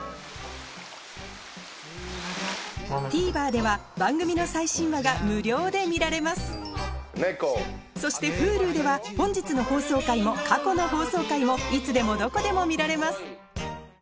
ＴＶｅｒでは番組の最新話が無料で見られますそしてＨｕｌｕでは本日の放送回も過去の放送回もいつでもどこでも見られます